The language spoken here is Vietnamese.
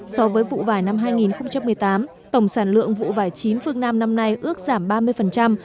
so với vụ vải năm hai nghìn một mươi tám tổng sản lượng vụ vải chín phương nam năm nay ước giảm ba mươi